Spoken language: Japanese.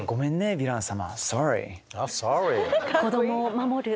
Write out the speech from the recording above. ヴィラン様